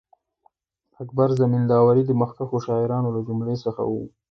اکبر زمینداوری د مخکښو شاعرانو له جملې څخه وو.